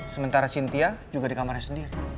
sementara sintia juga di kamarnya sendiri